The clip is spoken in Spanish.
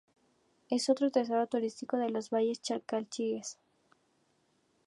Es otro tesoro turístico de los valles Calchaquíes.